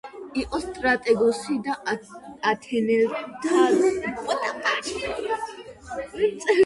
იყო სტრატეგოსი და ათენელთა ფლოტის მეთაური თრაკიის სანაპიროს დაცვისას.